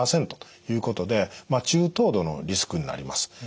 ５％ということで中等度のリスクになります。